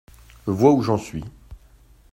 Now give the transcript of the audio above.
Vois où j'en suis.